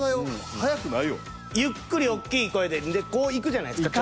ゆっくりおっきい声でこういくじゃないですか。